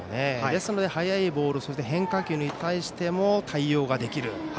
ですので速いボール変化球に対しても対応ができる。